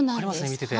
見てて。